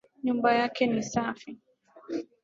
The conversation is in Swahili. Nyumba yake ni safi